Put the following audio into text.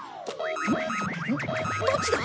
どっちだ？